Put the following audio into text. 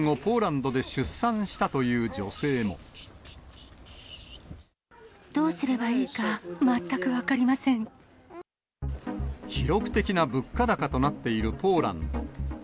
どうすればいいか、全く分か記録的な物価高となっているポーランド。